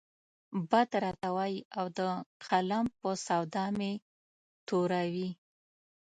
بد راته وايي او د قلم په سودا مې توره وي.